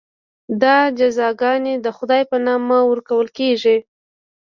دا جزاګانې د خدای په نامه ورکول کېږي.